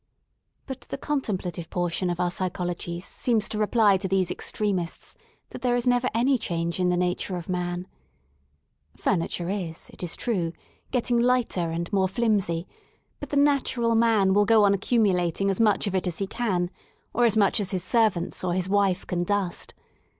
But the contemplative portion of our psychologies seems to reply to these extremists that there is never any change in the nature of man. Furniture is, it is true, getting lighter and more flimsy, but the natural man will go on accumulating as much of it as he can, or as much as his servants or his wife can dust.